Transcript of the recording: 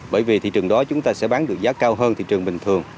bởi vì thị trường đó chúng ta sẽ bán được giá cao hơn thị trường bình thường